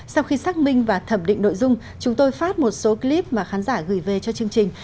sau khi xác minh và thẩm định nội dung chúng tôi phát một số clip mà khán giả gửi về cho chương trình